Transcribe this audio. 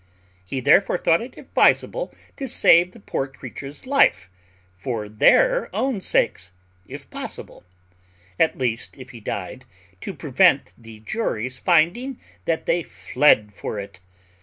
He therefore thought it advisable to save the poor creature's life, for their own sakes, if possible; at least, if he died, to prevent the jury's finding that they fled for it.